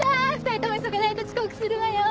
２人とも急がないと遅刻するわよ！